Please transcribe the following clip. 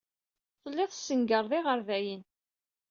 Tellid tessengared iɣerdayen.